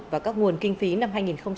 và các nguồn kinh phí năm hai nghìn hai mươi